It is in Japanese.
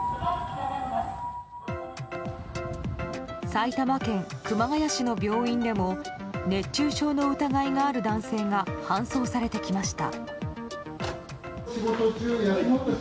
埼玉県熊谷市の病院でも熱中症の疑いがある男性が搬送されてきました。